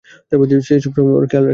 সে সবসময় ওর খেয়াল রাখে।